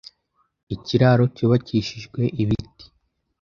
Ikiraro cyubakishijwe ibiti.